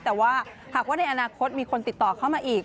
แต่ว่าหากว่าในอนาคตมีคนติดต่อเข้ามาอีก